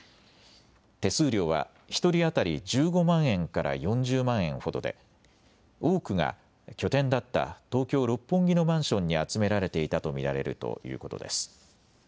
手数料は、１人当たり１５万円から４０万円ほどで、多くが拠点だった東京・六本木のマンションに集められていたと見られるということです。